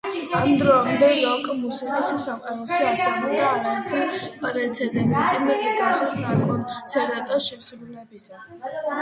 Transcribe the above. ამ დრომდე როკ მუსიკის სამყაროში არსებობდა არაერთი პრეცედენტი მსგავსი საკონცერტო შესრულებისა.